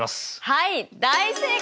はい大正解！